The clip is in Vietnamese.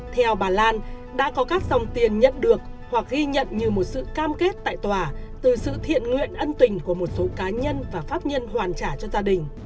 theo bà lan đã có các dòng tiền nhận được hoặc ghi nhận như một sự cam kết tại tòa từ sự thiện nguyện ân tình của một số cá nhân và pháp nhân hoàn trả cho gia đình